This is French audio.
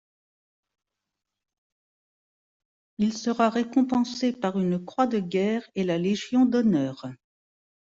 Il sera récompensé par une croix de guerre, et la Légion d'honneur.